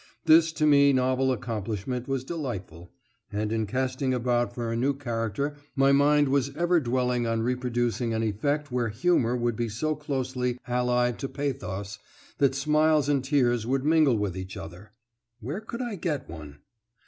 This to me novel accomplishment was delightful, and in casting about for a new character my mind was ever dwelling on reproducing an effect where humour would be so closely allied to pathos that smiles and tears should mingle with each other. Where could I get one?